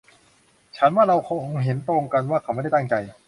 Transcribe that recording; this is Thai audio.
ฉันว่าเราคงเห็นตรงกันว่าเขาไม่ได้ตั้งใจ